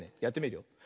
やってみるよ。